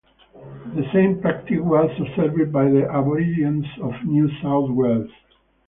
The same practice was observed by the aborigines of New South Wales.